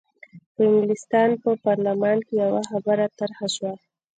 په انګلستان په پارلمان کې یوه خبره طرح شوه.